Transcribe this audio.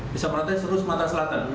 bisa merata di seluruh sumatera selatan